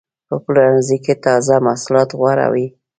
په پلورنځي کې تازه محصولات غوره وي.